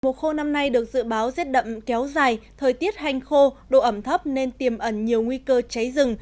mùa khô năm nay được dự báo rết đậm kéo dài thời tiết hành khô độ ẩm thấp nên tiềm ẩn nhiều nguy cơ cháy rừng